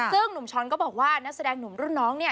ซึ่งหนุ่มช้อนก็บอกว่านักแสดงหนุ่มรุ่นน้องเนี่ย